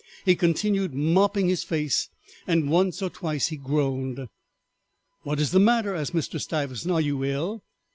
He continued mopping his face, and once or twice he groaned. "What is the matter?" asked Mr. Stiversant; "are you ill?"